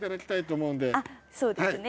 そうですね。